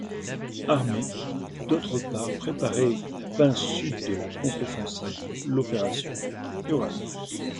Armee, d'autre part préparer la pince sud de la contre offensive, l'opération Uranus.